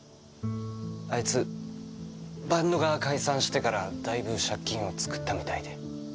あいつバンドが解散してからだいぶ借金をつくったみたいで。